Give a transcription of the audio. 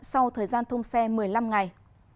sau thời gian thông xe một mươi năm ngày